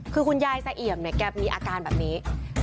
คือคุณยายสะเอี่ยมเนี่ยแกมีอาการแบบนี้